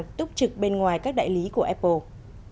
hàng trục trực bên ngoài các đại lý của apple